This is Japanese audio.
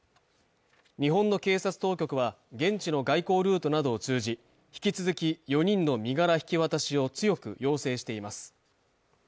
日本の警察当局は、現地の外交ルートなどを通じ、引き続き４人の身柄引き渡しを強く要請しています。